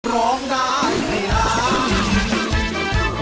ร้องได้ให้ล้าน